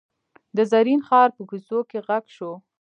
د زرین ښار په کوڅو کې غږ شو.